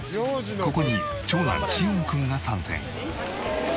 ここに長男しおん君が参戦。